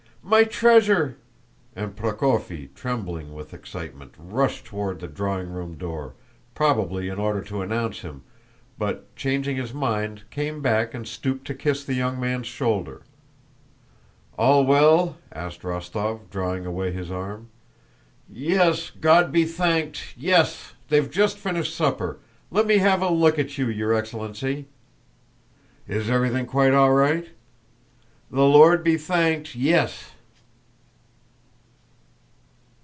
My treasure!" and Prokófy, trembling with excitement, rushed toward the drawing room door, probably in order to announce him, but, changing his mind, came back and stooped to kiss the young man's shoulder. "All well?" asked Rostóv, drawing away his arm. "Yes, God be thanked! Yes! They've just finished supper. Let me have a look at you, your excellency." "Is everything quite all right?" "The Lord be thanked, yes!"